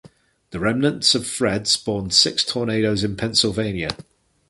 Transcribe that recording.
The remnants of Fred spawned six tornadoes in Pennsylvania.